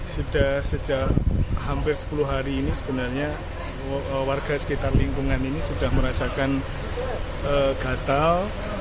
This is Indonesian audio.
sudah sejak hampir sepuluh hari ini sebenarnya warga sekitar lingkungan ini sudah merasakan gatal